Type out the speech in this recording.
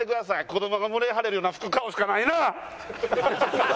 子どもが胸張れるような服買うしかないな！